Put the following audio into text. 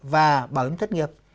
và bảo hiểm thất nghiệp